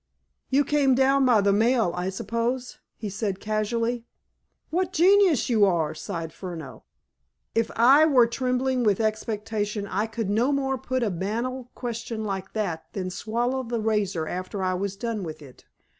"You came down by the mail, I suppose?" he said casually. "What a genius you are!" sighed Furneaux. "If I were trembling with expectation I could no more put a banal question like that than swallow the razor after I was done with it.